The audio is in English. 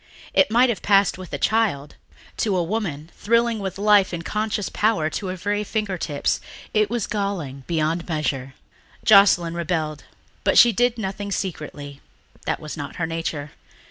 It might have passed with a child; to a woman, thrilling with life and conscious power to her very fingertips, it was galling beyond measure. Joscelyn rebelled, but she did nothing secretly ... that was not her nature.